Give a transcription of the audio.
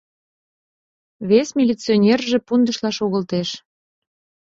Вес милиционерже пундышла шогылтеш.